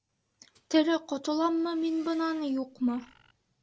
Тере ҡотоламмы мин бынан, юҡмы?!